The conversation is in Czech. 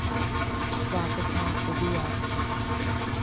Svátek má Eduard.